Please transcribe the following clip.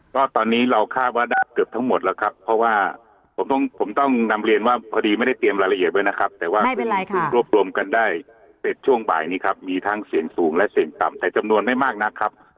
ก็ตอนนี้เราคาดว่าดับเกือบทั้งหมดแล้วครับเพราะว่าผมต้องผมต้องนำเรียนว่าพอดีไม่ได้เตรียมรายละเอียดไว้นะครับแต่ว่าไม่เป็นไรค่ะรวบรวมกันได้แต่ช่วงบ่ายนี้ครับมีทั้งเสียงสูงและเสี่ยงต่ำแต่จำนวนไม่มากนักครับ